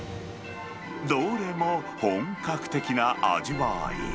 どれも本格的な味わい。